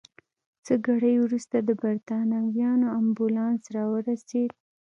څه ګړی وروسته د بریتانویانو امبولانس راورسېد.